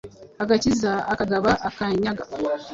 agakiza, akagaba akanyaga.